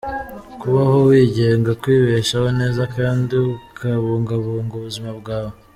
Kubaho wigenga, kwibeshaho neza kandi ukabungabunga ubuzima bwawe.